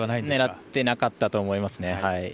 狙っていなかったと思いますね。